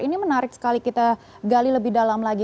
ini menarik sekali kita gali lebih dalam lagi